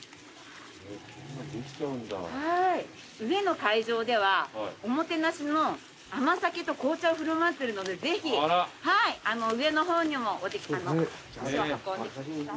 上の会場ではおもてなしの甘酒と紅茶を振る舞ってるのでぜひ上の方にも足を運んでください。